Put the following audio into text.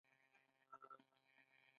اپلکېشن ته پښتو ژبه کې کاریال وایې.